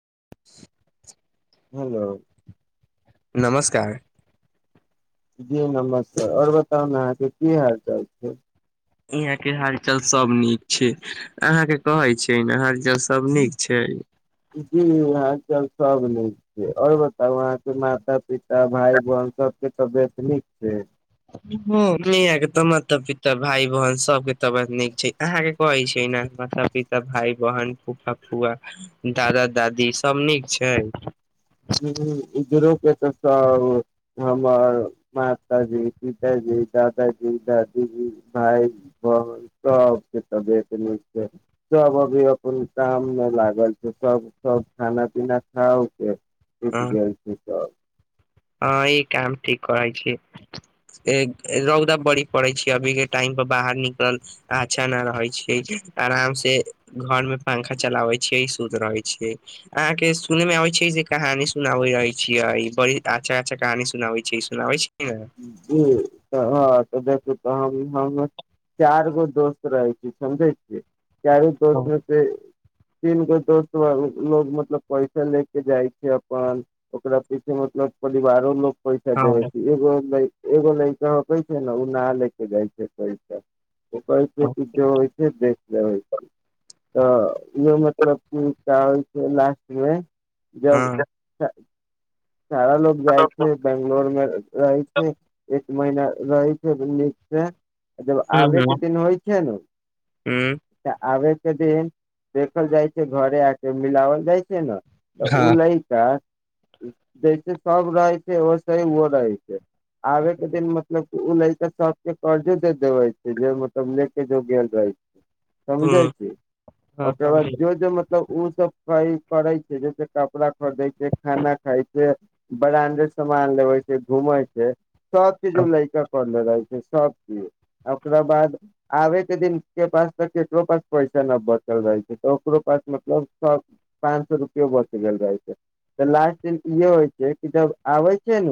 [inaudible] Hello नमस्कार जी नमसकार आओर बताउ ने अहाँ के की हाल चाल छै यहाँ के हालचल सब नीक छै अहाँ के कहे छै ने हालचल सब नीक छै जी हाल चाल सब निक छै आओर बताउ अहाँ के माता पिता भाइ बहन सबके तबियत नीक छै हँ, यहाँ के तऽ भाई बहन सब के तबियत नीक छै अहाँ के कहे छै ने माता पिता भाई बहन फूफा फू फुआ आ दादा दादी सब नीक छै हूँ इधरो के तऽ सब हमर माताजी पिताजी दादाजी दादीजी भाइ बहिन सबके तबियत नीक छै सब अभी अपन काम मे लागल छै सब सब खाना पीना खा उके एक हँ गेल छै सब हँ ई काम ठीक कहै छीय रौदा बड़ी पड़ै छै अभी के टाइम बाहर निकल अच्छा न रहे छै आराम से घर में पंखा चलावे छै सुत रहै छै अहाँ के सुनने मे अबै छै जे कहानी सुनाबै रहै छीयै बड़ी अच्छा अच्छा कहानी सुनावै छै सुनाबै छै ने? जी तऽ हँ तऽ देख तऽ हम चार गो दोस्त रहै छी समझै छियै चारो दोस्त हँ मे से तीन गो दोस्त लोग मतलब पैसा ले के जाइ छै अपन ओकरा पीछे मे सब परिवारो लोक पैसा देबै हँ छै एगो एगो लैका होखै छै ने ओ ना ले के जाइ छै पैसा ओ कहै छै ती जो होइ छै देख तऽ इहो मतलब कि कहै छै लास्ट मे जब हँ तऽ सारा लोग जाइ छै बंगलोर मे रहै छै एक महिना रहै छै नीक से जब आबे हम्म के दिन होइ छै ने हम्म तऽ आबे के दिन देखल जाइ छै घरे आके मिलाओल जाइ छै ना तऽ उ हँ लैका जैसे सब रहै छै वैसे ही उहो रहै छै आबे के दिन मतलब ओ लइकन सबके कर्जो दे देबे छै जे मतलब लेके जो गेल रहै छै समझै हम्म छी हँ ओकर बाद समझे। जो जो मतलब ओ सब करै छै जैसे कपड़ा खरीदै छै खाना खाय छै जे ब्रांडेड सामान लेबे छै घूमे छै सब चिज उ लैका करले रहे सब चीज ओकरा बाद आबे के दिन के पास त केकरो पास पैसा न बच रह छै तऽ ओकरो पास मतलब सो पाँच सौ रुपयो बच गेल रहे छै तऽ लास्ट दिन यो होइ छै कि जब आबै छै ने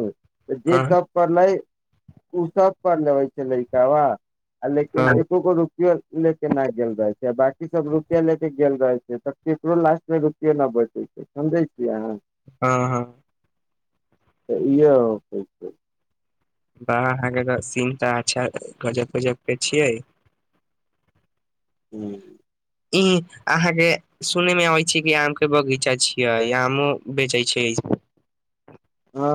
त जे हँ सब पले उस पर ने होइ छै लैका वा आ लेकिन हँ एको गो रुपियो ले के न गेल रह छै बकी सब रुपआ ले के गेल रहे छै तऽ केकरो लास्ट मे रुपया न बचे छै समझै छियै अहाँ हँ हँ तऽ इह होके छै वाह अहाँ के तऽ सीन तऽ अच्छा गजब गजब के छियै ह्म ई अहाँ के सुनै मे अबै छै कि आम के बगीचा छियै आमो बेचै छै हँ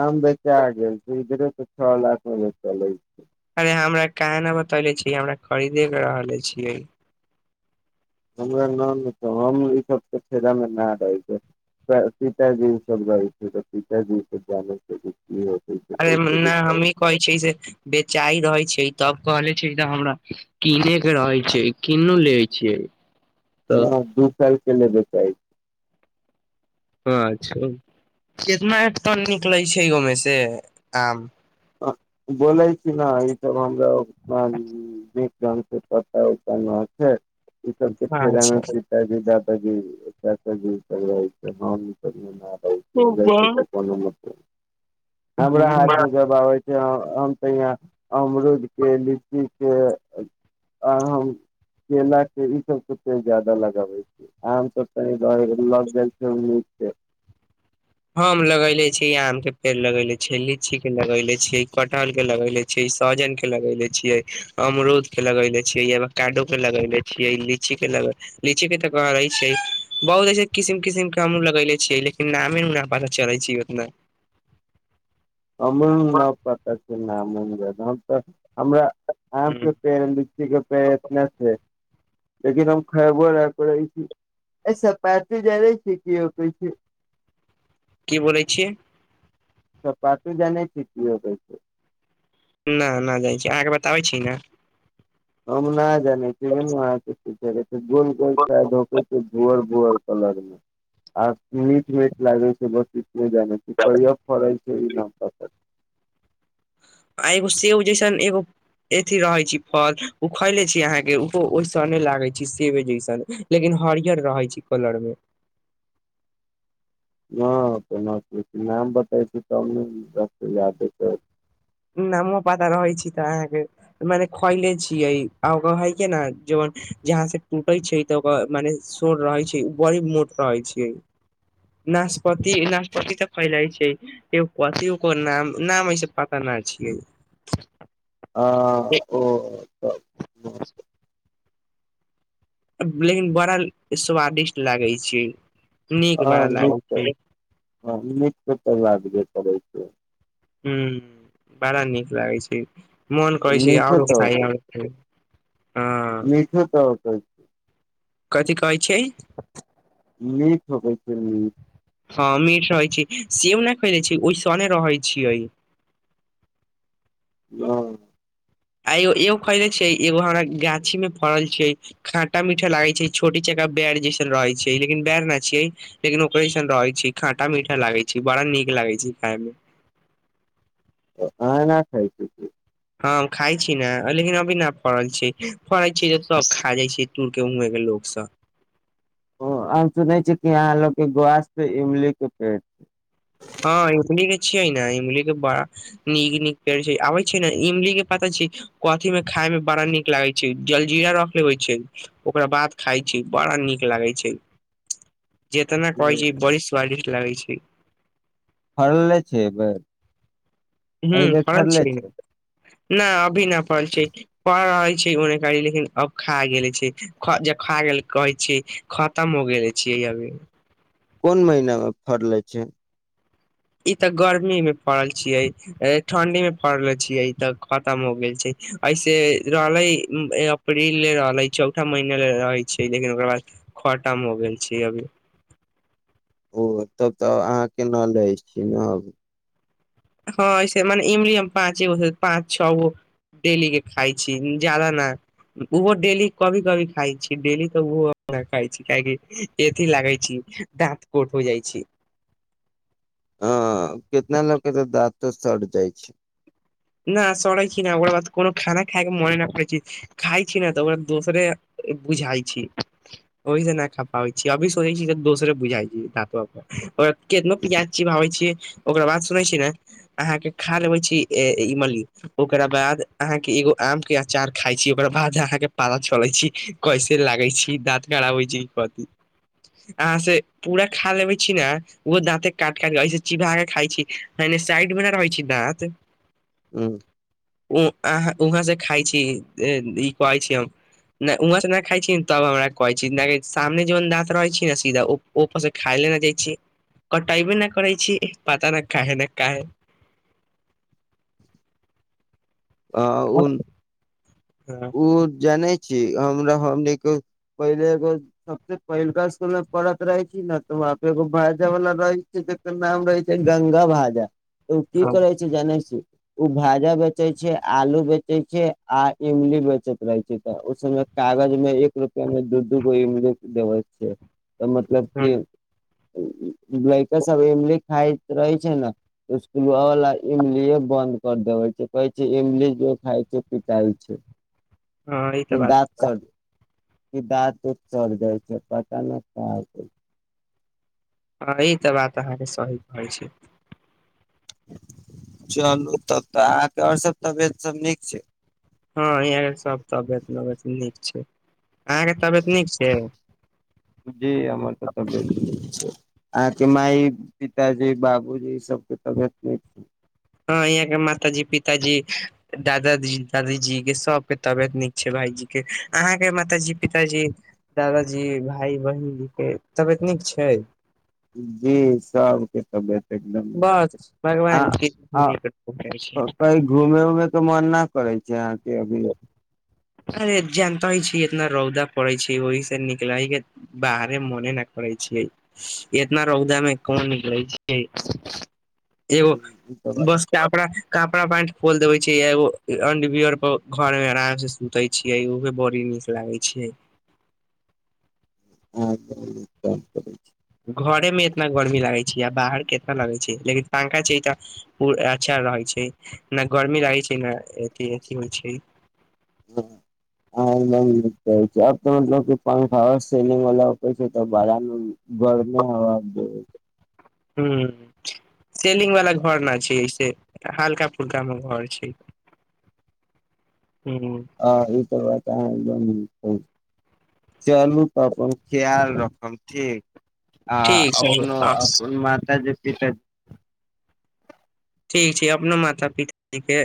आम बेचाआ गेल छै इधरे तऽ छओ लाख मे बेचलै छै अरे हमरा क न बतौले छी हमरा खरीदे के रहले छियै हमरा न कह हम ई सब के फेरा में न रहय छै सीत दिन सब रहै छै तऽ सीत दिन जान हो अरे ने हमी कहै छै से बेचाय रहै छै तब कहले छै त हमरा किने के रहै छै किनू लेै छिय ह दू साल के लेब चै छी अच्छा कितना टन निकलैत छै ओहिमे से आम बोलै छी न ई सब हमरा ब पता उठ छै ई सबके फेरान अच्छा [unintelligible] [unintelligible] हम ओय सब मे नय हमरा अय सब सै कोनो मतलव ह आबै छै तऽ यहाँ अमरूद के लीची के आ केला के ई सबे ज्यादा लगाबे छै आ त लग जा छै त हम लगेले छी आम के पेड़ लगेेले छी लीची के लगेले छी कटहल के लगेले छी सहजन के लगेले छियै अमरूद के लगेले छियै अवाकडो के लगेले छियै लीची के लीची के तऽ कहे छै बहुत ऐसे किसिम किसिम के पता चलाै छी ओत नहि अमल न पता छै नाम ऊम तऽ हमरा आम के पेड़ लीची के पेड़ इतना से लेकिन हम खैबो न करइ छी अ स पा त जाने छै कि होके छै की बोलै छियै सपातु जनहि छि कीहोइ छै न नहि जाइ छी अहाँके बताबै छी ने हम नहि जानै छी [unintelligible] गोल गल बोअर कलर मे आ मीट मीट लागे छै बस नहि जान छी किय फरइ छै ई न पता आ एगो सेव जेैसन एगो अथी रहै छी फल ओ खैले छी अहाँके ओहो ओहिस नहि लागे छै सेबे जैसन लेकिन हरियर रहै छै कलर मे [inaudible] ह केना नाम बताै छै तब ने याद नामो पाता रहै छी तऽ अहाँके मने खयले छीय आ क हइ के ने जेन जहाँ से टूटै छै तऽ ओकर मने शोर रहै छै बड़ी मोट रहै छै नाशपति नाशपति तऽ फैलाइ छै पति ओकर नाम नाम होइ छै प करना छियै आ ओ लेकिन बड़ा स्वादिष्ट लागै छै नीक हँ बड़ा नीक लागै छै ह नीक त त आदबे करै छै हुँ बड़ा नीक लागय छै मन करै छै मीठो आओर तऽ खाय होकै आओर मीठो त होयते कथी कहै छियै नीक होई छैय नीक हँ मीठ रहैत छै सेब नहि खै लै छै ओहिसने रहै छियै हँ आगो एगो कैले छ एगो हमरा गाछी में फड़ल छै खाटा मीठा लागे छै छोटी चक बैर जैसन रहै छै लेकिन बैर न छैियै लेकिन ओकर जैसन रहै छै खाटा मीठा लागे छै बड़ा न ठीक लागै छै खायमे आ न खाय छै आम खाइ छी न लेकिन अभी न फड़ल छै फड़ल छी त सब खा जाइ छै तुर के उहे के लोको सब ओ हम सुनैत छी कि अहाँ लोकके गासप इमलीके पेड़ हँ इमली के छियै ने इमली के बड़ा नीक नीक पेड़ छै आबै छै ने इमली के पता कथी में खाय में बड़ा नीक लागे छै जलजीरा रख लेबे छै ओकरा बाद खाय छी बड़ा नीक लागे छै [inaudible] जेतना कहै छै बड़ी स्वादिष्ट लागै छै फड़ले छै एहि बेर एहि बेेर फड़ले छै नहि अभी न पढ़ल छै पढ़ल रहल छै ओने करी लेकिन अब खा गेल छै खा गेल कहै छीय खतम हो गेले छीय अभी कोन महीना में फड़ले छै ई तऽ गर्मी मे पड़ल छीयै ठंडी मे पड़ल छीयै ई तऽ खतम हो गेल छै ऐसे रहलै अप्रील ले रहले चौठा महीना ले रहै छै लेकिन ओकर बाद खटाम हो गेल छी अभी ओ तब तऽ अहाँ केना लै छीय ने अब हँ से मने इमली पाँच गो पाँच छः गो डेली के खा छी ज्यादा ना ओहो डेली कभी कभी खाइ छी डेली तऽ ओहो खाइ छी काहि अथी लगै छी दांत कोथ भ जाइ छै आ केितना लोक त दाँतो सट जाइ छै न सड़ै छी न ओकरा बाद कोनो खाना खाके मने नहि प छी खा छी ने तऽ ओ दोसरे बुझाइ छी ओहि से नहि खा पाबै छी अभी सोचै छी दोसरे बुझाइ छी दातो ओक केतनो प्याज चिबावै छीयै ओकरा बाद सुनै छी ने अहाँ के खा लेबे छी इ मान लि ओकरा बाद अहाँ के एगो आम के अचार खाय छी ओकरा बाद अहाँ के पता चले छी कइसे लागै छी दाँत खड़बै छै कथी अहाँ से पूरा खा लेबे छी ने ओहो दाते काट काटिक ऐसे चिवा क खाइ छी साइड मे ना रहइ छी दात हँ उ अ वहाँ से खाइ छी ई कहै छी हम नहि उहाँ से नहि खाइ छी तब हमरा कहै छी सामने जन दाँत रहै छी ने सीधापर से खाइ छी कटाइ भी नहि करै छी पता नहि काहे ना काहे [unintelligible] ह ओ हँ हँ ओ जान हमरा हमो पहिले एगो सबस पहिलुका स्कुल मे पढ़त रहै छी ने त ब एगो भाजा वाला रहै छै तकर नाम रहै छै गंगा भाजा ओ की करै छै जानै छी ओ भाजा बेचै छै आलू बेचै छै आ इमली बेचैत रहै छै तऽ ओ सबमे कागज में एक रूपआ में दू को देवै छै मतलब हँ कि लड़का सब इमली खायत रहै छै ने स्कूल वाला इमलिए बंद कर देबै छै कह छै इमली जो खाय छै पीताइ छै हँ ई तऽ बात दाँत सड़ कि दांत दूत चल जाइ छै पता नहि क हँ ई तऽ बात अहाँके सही कह छै चलू तब तऽ अहाँके आओर सभ तबियत सब नीक छै हँ य सब तबियत तबियत नीक छै अहाँके तबियत नीक छै जी हमर तऽ तबियत निक छै अहाँके माय पिताजी बाबूजी सबके तबियत निक छै हँ यहाँ के मातााजी पिताजी दादाजी दादीजी के सबके तबियत नीक छै भाईजी अहाँ के माताजी पिताजी दादाजी भाय बहिन जी के तबियत नीक छै हय जी सबके तबियत एकदम बस भगवान के आ निकट पहुँचै छै कही घुमे उमे के मन ना करै छै जाके अभी अरे जानता ही छि इतना रौदा पड़ै छै ओहि से निकलाहि के बाहरे मोने न छै इतना रौदा मे कोन निकलै छै एओ ई त बात बसके अपना कपड़ा पेंट खोल देबय छिय एगो अडंबियर पर घर में आराम से सुते छियै उहे बड़ी नीक लागै छै ह करै घरे में इतना गर्मी लागे छै छिय बाहर केतना लागे छिय लेकिन पंखा छै तऽ अच्छा रहै छै नहि गर्मी लागै छै ने अथि होइ छै हँ पंखा सेलिंग वाला होयत छै त बड़ा गरमे हवा छै ह्म सेलिंग वाला घर न छै से हलका फुरका मे घर छै ह आ ई कर चलू तऽ अपन ख्याल रखब ठीक आ ठीक छै अपनो अ अपन माता जे पिता ठीक छै अपनो माता पितााजी के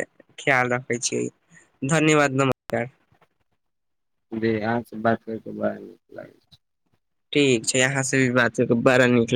ख्याल रखै छी धन्यवाद नमस्कार बे अहाँ से बात करि के बड़ा नीक लागै छै ठीक छै अहाँ सँ भी बात करिक बड़ा नीक लागै